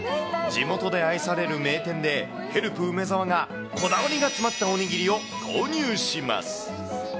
地元で愛される名店で、ヘルプ梅澤が、こだわりが詰まったお握りを購入します。